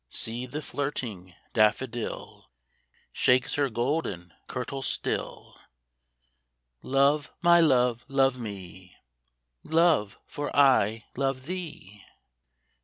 See the flirting daffodil Shakes her golden kirtle still :" Love, my love, love me, Love, for I love thee